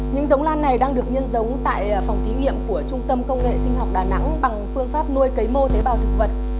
những giống lan này đang được nhân giống tại phòng thí nghiệm của trung tâm công nghệ sinh học đà nẵng bằng phương pháp nuôi cấy mô tế bào thực vật